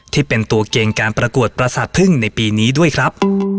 ที่เป็นตัวเก่งการประกวดประสาทพึ่งในปีนี้ด้วยครับ